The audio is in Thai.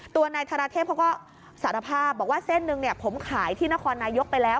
ตัวนายธารเทพเขาก็สารภาพบอกว่า๑เส้นผมขายที่นครนายกไปแล้ว